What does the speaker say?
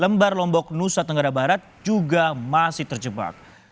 lembar lombok nusa tenggara barat juga masih terjebak